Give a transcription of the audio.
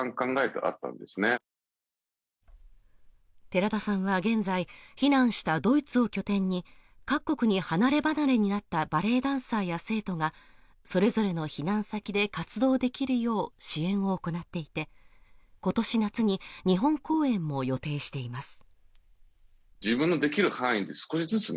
寺田さんは現在、避難したドイツを拠点に各国に離れ離れになったバレエダンサーや生徒がそれぞれの避難先で活動できるよう支援を行っていて、今年夏に日本公演も予定しています。